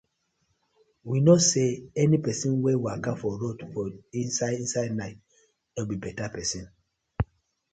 We kno say any pesin wey waka for road for inside inside night no bi beta pesin.